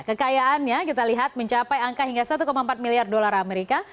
kekayaannya kita lihat mencapai angka hingga satu empat miliar dolar amerika